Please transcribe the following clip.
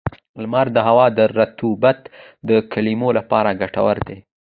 • لمر د هوا د رطوبت د کمولو لپاره ګټور دی.